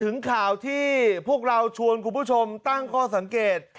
ถึงข่าวที่พวกเราชวนคุณผู้ชมตั้งข้อสังเกต